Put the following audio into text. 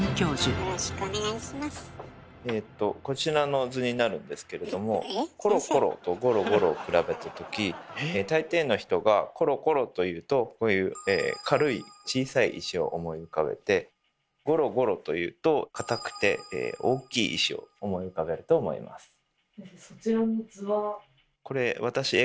こちらの図になるんですけれども「コロコロ」と「ゴロゴロ」を比べたとき大抵の人が「コロコロ」というとこういう軽い小さい石を思い浮かべて「ゴロゴロ」というと硬くて大きい石を思い浮かべると思います。